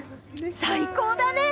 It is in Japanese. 最高だね！